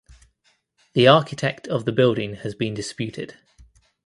The architect of the building has been disputed.